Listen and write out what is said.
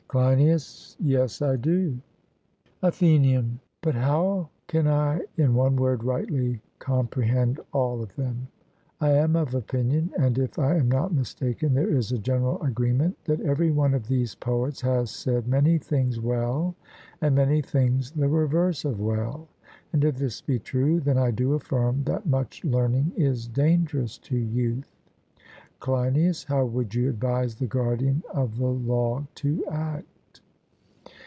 CLEINIAS: Yes, I do. ATHENIAN: But how can I in one word rightly comprehend all of them? I am of opinion, and, if I am not mistaken, there is a general agreement, that every one of these poets has said many things well and many things the reverse of well; and if this be true, then I do affirm that much learning is dangerous to youth. CLEINIAS: How would you advise the guardian of the law to act?